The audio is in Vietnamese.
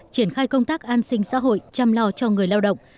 triển khai công tác an sinh xã hội chăm lo cho người lao động